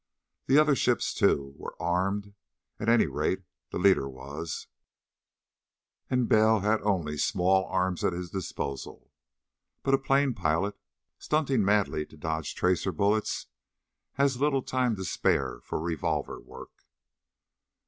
The other ships, too, were armed, at any rate the leader was, and Bell had only small arms at his disposal. But a plane pilot, stunting madly to dodge tracer bullets, has little time to spare for revolver work.